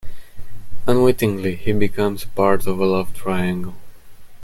Unwittingly, he becomes part of a love triangle.